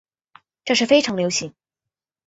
这是非常流行。